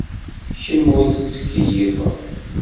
Kemm ur tettkeyyifeḍ.